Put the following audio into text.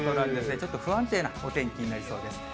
ちょっと不安定なお天気になりそうです。